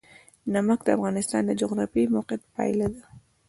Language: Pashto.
نمک د افغانستان د جغرافیایي موقیعت پایله ده.